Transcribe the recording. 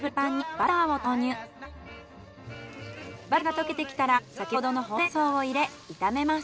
バターが溶けてきたら先ほどのほうれん草を入れ炒めます。